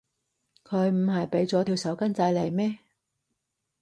佢唔係畀咗條手巾仔你咩？